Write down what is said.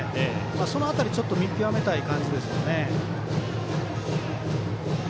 その辺り、ちょっと見極めたい感じですね。